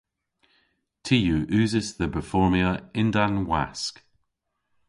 Ty yw usys dhe berformya yn-dann wask.